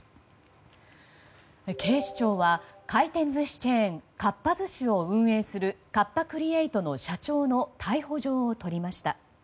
警視庁は回転寿司チェーンかっぱ寿司を運営するカッパ・クリエイトの社長の逮捕状を取りました。